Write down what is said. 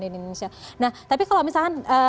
nah tapi kalau misalnya